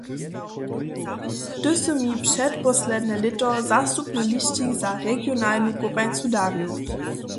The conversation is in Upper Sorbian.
Ty sy mi předposledne lěto zastupny lisćik za regionalnu kopańcu darił.